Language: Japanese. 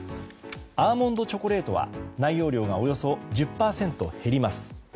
アーモンドチョコレートは内容量がおよそ１０％減ります。